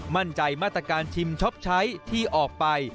มั่นใจมาตรการชิมช็อปใช้ที่ออกไป